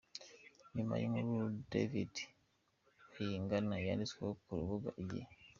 Nyuma y’inkuru David Bayingana yanditsweho ku rubuga Igihe.